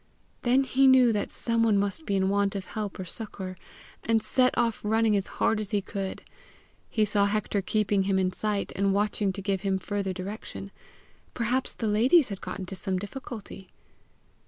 Then he knew that someone must be in want of help or succour, and set off running as hard as he could: he saw Hector keeping him in sight, and watching to give him further direction: perhaps the ladies had got into some difficulty!